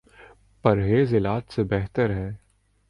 پرہیز علاج سے بہتر ہے۔